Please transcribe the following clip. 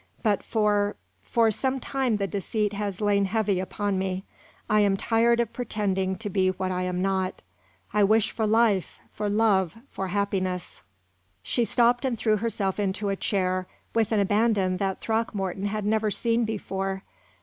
But for for some time the deceit has lain heavy upon me. I am tired of pretending to be what I am not. I wish for life, for love, for happiness." She stopped and threw herself into a chair with an abandon that Throckmorton had never seen before.